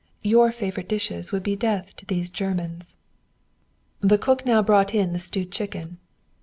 Your favourite dishes would be death to these Germans." The cook now brought in the stewed chicken.